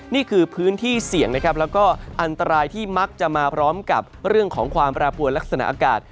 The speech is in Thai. นี่คือพื้นที่เสี่ยงนะครับแล้วก็อันตรายที่มักจะมาพร้อมกับเรื่องของความแปรปวนลักษณะอากาศ